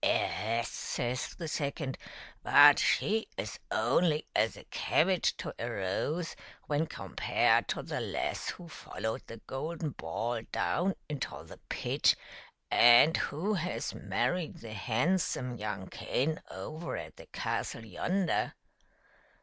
" Yes," says the second, " but she is only as a cabbage to a rose when compared to the lass who followed the golden ball down into the pit, and who has married the handsome young king over at the castle yonder."